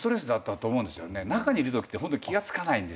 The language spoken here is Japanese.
中にいるときってホント気が付かないんですよ。